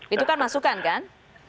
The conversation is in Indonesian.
itu kan masukan kan